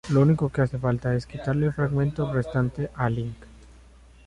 Lo único que hace falta es quitarle el fragmento restante a Link.